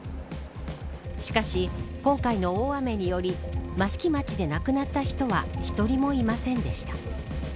しかし、今回の大雨により益城町で亡くなった人は１人もいませんでした。